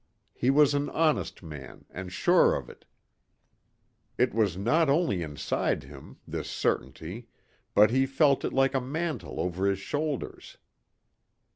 He was an honest man, and sure of it. It was not only inside him, this certainty, but he felt it like a mantle over his shoulders.